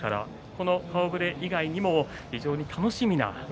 この顔ぶれ以外にも非常に楽しみな。